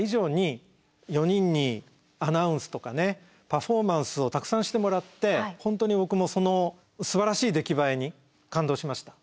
パフォーマンスをたくさんしてもらって本当に僕もそのすばらしい出来栄えに感動しました。